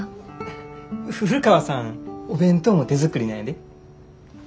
古川さんお弁当も手作りなんやで。